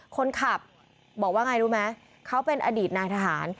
คนขับบอกว่าไงรู้ไหมเขาเป็นอดีตนายทหาร